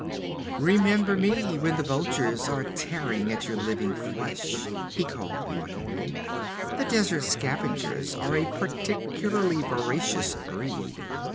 'Remember me when the vultures are tearing at your living flesh,' he called mockingly. 'The desert scavengers are a particularly voracious breed.